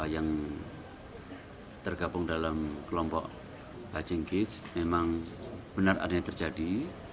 yang tergabung dalam kelompok bajeng gij memang benar adanya terjadi